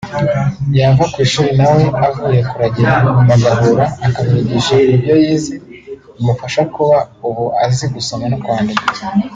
yava ku ishuri nawe avuye kuragira bagahura akamwigisha kubyo yize bimufasha kuba ubu azi gusoma no kwandika